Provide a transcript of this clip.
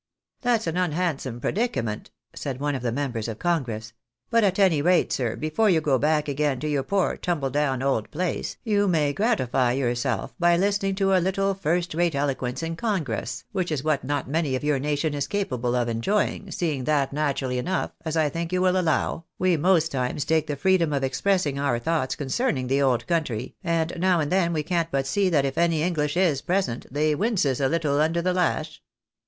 " That's an unhandsome predicament," said one of the members 268 THE BAENABYS IN AMERICA. of congress. " But at any rate, sir, before you go back again to your poor, tumble down, old place, you may gratify yourself by listening to a little first rate eloquence in congress, which is what not many of your nation is capable of enjoying, seeing that, na turally enough, as I think you will allow, we most times take the freedom of expressing our thoughts concerning the old country, and now and then we can't but see that if any English is present, they winces a little under the lash.